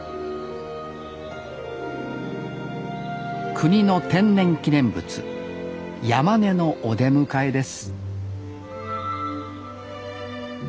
国の天然記念物ヤマネのお出迎えです